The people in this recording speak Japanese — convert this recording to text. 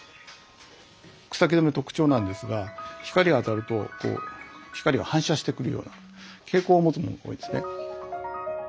草木染の特徴なんですが光が当たるとこう光が反射してくるような蛍光を持つものが多いんですね。